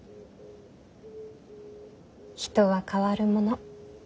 人は変わるもの。